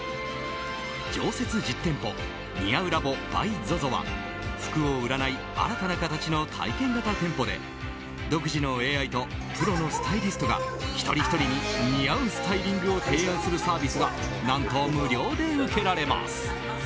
常設実店舗ｎｉａｕｌａｂｂｙＺＯＺＯは服を売らない新たな形の体験型店舗で独自のＡＩとプロのスタイリストが一人ひとりに似合うスタイリングを提案するサービスが何と無料で受けられます。